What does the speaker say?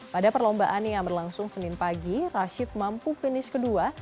pada perlombaan yang berlangsung senin pagi rashid mampu finish kedua